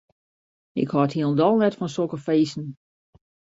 Ik hâld hielendal net fan sokke feesten.